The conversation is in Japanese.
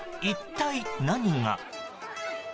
一体、何が。